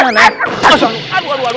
aduh aduh aduh aduh